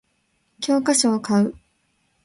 教科書を買う